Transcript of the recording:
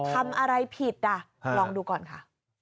ทำอะไรผิดอ่ะลองดูก่อนค่ะ